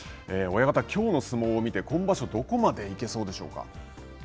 親方、きょうの相撲を見て今場所、どこまで行けそうでしょうか。